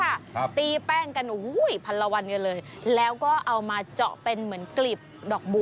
ครับตีแป้งกันอุ้ยพันละวันกันเลยแล้วก็เอามาเจาะเป็นเหมือนกลีบดอกบัว